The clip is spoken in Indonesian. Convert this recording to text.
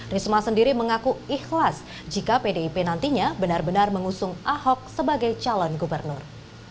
risma sendiri mengaku ikhlas jika pdip nantinya benar benar mengusung ahok sebagai calon gubernur